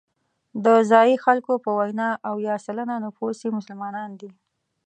د ځایي خلکو په وینا اویا سلنه نفوس یې مسلمانان دي.